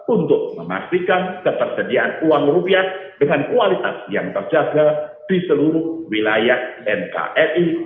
untuk memastikan ketersediaan uang rupiah dengan kualitas yang terjaga di seluruh wilayah nkri